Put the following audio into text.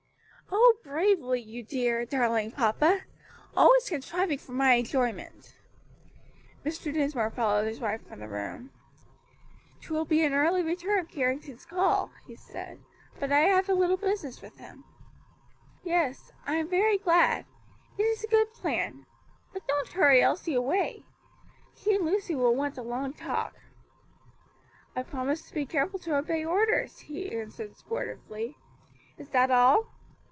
"Oh, bravely, you dear darling papa! always contriving for my enjoyment." Mr. Dinsmore followed his wife from the room. "'Twill be an early return of Carrington's call," he said, "but I have a little business with him." "Yes, I'm very glad: it is a good plan; but don't hurry Elsie away. She and Lucy will want a long talk." "I promise to be careful to obey orders," he answered, sportively. "Is that all?"